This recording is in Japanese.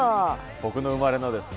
僕の生まれのですね